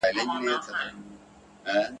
چي به یې ته د اسمانو پر لمن ګرځولې ..